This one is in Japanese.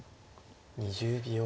２０秒。